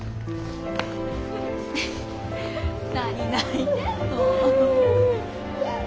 何泣いてんの。